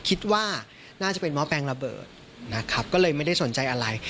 คิดว่าน่าจะเป็นหม้อแปลงระเบิดนะครับก็เลยไม่ได้สนใจอะไร